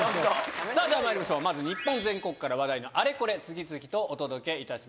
さぁではまいりましょうまず日本全国から話題のあれこれ次々とお届けいたします。